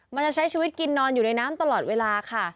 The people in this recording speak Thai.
มันจะใช้ชีวิตกินนอนอยู่ในน้ำตลอดเวลาค่ะ